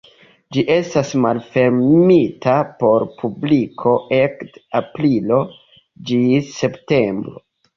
Ĝi estas malfermita por publiko ekde aprilo ĝis septembro.